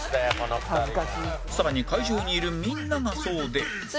更に会場にいるみんながそうで